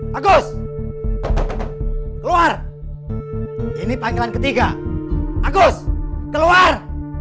bagus keluar ini panggilan ketiga agus keluar